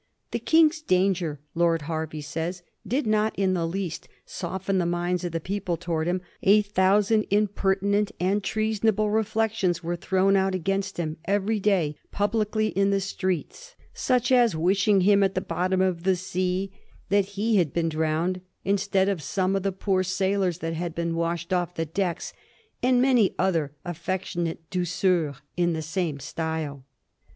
'' The King's danger," Lord Hervey says, '* did not in the least soften the minds of the people towards him; a thousand impertinent and treasonable reflections were thrown out against* him every day publicly in the streets — such as wishing him at the bottom of the sea; that he had been ^0 A HISTORY OF THE FOUR 6E0RGE& ch.zzt. drowned instead of some of the poor sailors that had been washed off the decks — ^and many other affectionate douceurs in the same style.''